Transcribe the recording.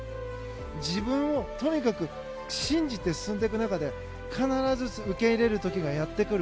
自分を、とにかく信じて進んでいく中で必ず受け入れる時がやってくる。